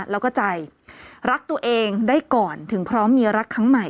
แล้วก็ใจรักตัวเองได้ก่อนถึงพร้อมมีรักครั้งใหม่